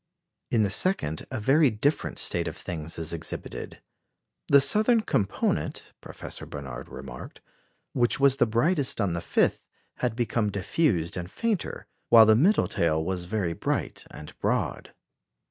In the second a very different state of things is exhibited. "The southern component," Professor Barnard remarked, "which was the brightest on the 5th, had become diffused and fainter, while the middle tail was very bright and broad.